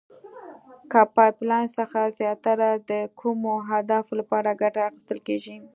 له پایپ لین څخه زیاتره د کومو اهدافو لپاره ګټه اخیستل کیږي؟